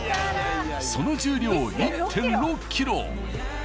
その重量１．６ｋｇ。